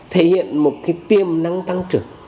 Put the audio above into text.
thể hiện một cái tiềm năng tăng trưởng